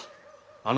あの